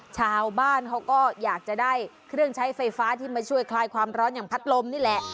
ชาวบ้านเขาก็อยากจะได้เครื่องใช้ไฟฟ้าที่มาช่วยคลายความร้อนอย่างพัดลมนี่แหละ